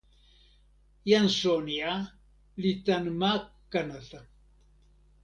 jan Sonja li tan ma Kanata.